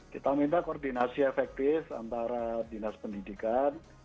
kita minta koordinasi efektif antara dinas pendidikan